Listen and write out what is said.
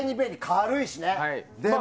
軽いしね。